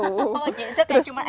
oh jadi itu cuma ekspresi gitu ya